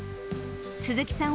鈴木さん